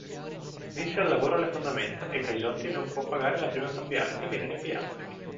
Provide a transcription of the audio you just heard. Inizia il lavoro alle fondamenta e Caisotti non può pagare la prima cambiale che viene rinviata.